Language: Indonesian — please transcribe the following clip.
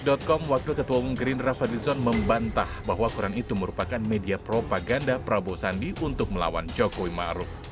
dari detik com wakil ketua umum green rafa dison membantah bahwa koran itu merupakan media propaganda prabowo sandi untuk melawan jokowi maruf